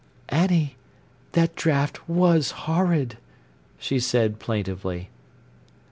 "Annie, that draught was horrid!" she said plaintively.